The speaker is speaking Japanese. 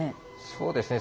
そうですね。